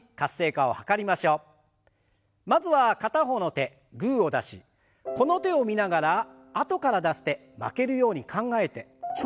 まずは片方の手グーを出しこの手を見ながらあとから出す手負けるように考えてチョキを出します。